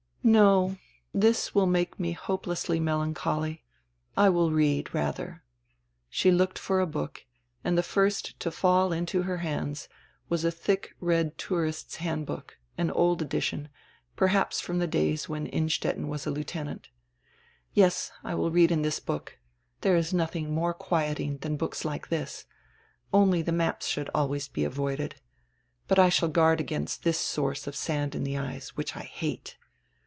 "No, this will make me hopelessly melancholy; I will read, rather." She looked for a book, and the first to fall into her hands was a thick red tourist's handbook, an old edition, perhaps from the days when Innstetten was a lieutenant "Yes, I will read in this book; there is nothing more quieting than books like this. Only the maps should always be avoided. But I shall guard against this source of sand in the eyes, which I hate."